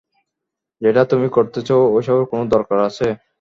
যেটা তুমি করতেছ এইসবের কোন দরকার আছে?